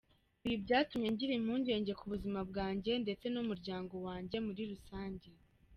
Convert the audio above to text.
Ibi byatumye ngira impungenge ku buzima bwanjye ndetse n’umuryango wanjye muri rusange”.